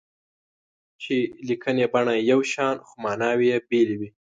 چې لیکني بڼه یې یو شان خو ماناوې یې بېلې وي.